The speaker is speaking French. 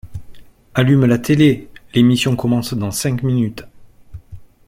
Allume la télé, l'émission commence dans cinq minutes.